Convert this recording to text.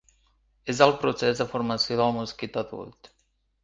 És el procés de formació del mosquit adult.